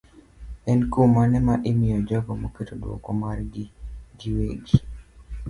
en kum mane ma imiyo jogo maketo duoko margi giwegi.